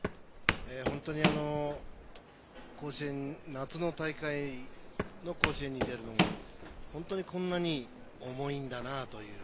本当に夏の大会の甲子園に出るのが本当にこんなに重いんだなっていう。